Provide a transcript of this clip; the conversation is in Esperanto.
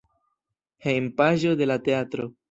Hejmpaĝo de la teatro.